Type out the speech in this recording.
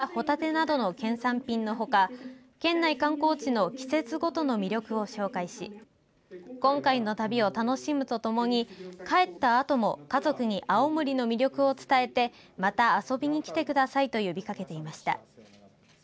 その後、応接室に場所を移し宮下知事がりんごやホタテなどの県産品のほか県内観光地の季節ごとの魅力を紹介し今回の旅を楽しむとともに帰ったあとも家族に青森の魅力を伝えてまた遊びに来てくださいと呼びかけていました。